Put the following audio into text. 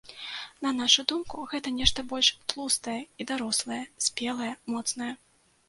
На нашую думку, гэта нешта больш тлустае і дарослае, спелае, моцнае.